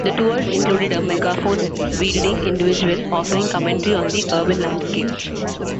The tours included a megaphone-wielding individual offering commentary on the urban landscape.